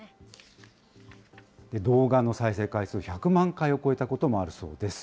動画の再生回数１００万回を超えたこともあるそうです。